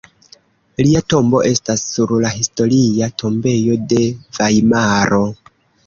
Lia tombo estas sur la Historia tombejo de Vajmaro.